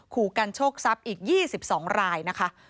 ขู่กันโชคทรัพย์อีก๒๒รายนะคะ